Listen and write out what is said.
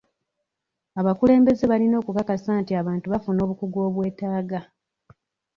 Abakulembeze balina okukakasa nti abantu bafuna obukugu obwetaaga.